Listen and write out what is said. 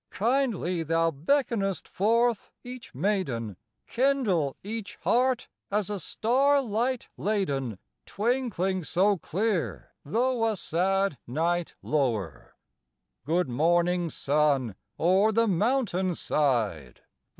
Kindly thou beckonest forth each maiden; Kindle each heart as a star light laden, Twinkling so clear, though a sad night lower! Good morning, sun, o'er the mountain side!